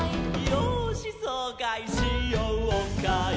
「よーしそうかいしようかい」